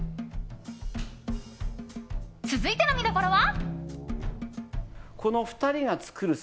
続いての見どころは。